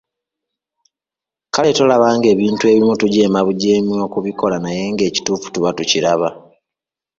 Kale tolaba ng'ebintu ebimu tujeemabujeemi kubikola naye ng'ekituufu tuba tukiraba?